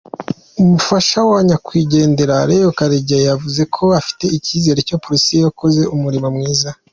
Umufasha wa nyakwigendera Leah Karegeya yavuzeko afite icyizero ko polisi yakoze umurimo mwiza.